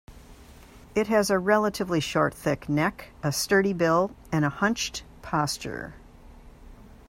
It has a relatively short thick neck, a sturdy bill, and a hunched posture.